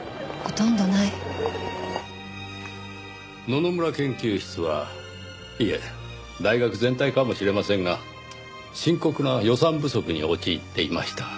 野々村研究室はいえ大学全体かもしれませんが深刻な予算不足に陥っていました。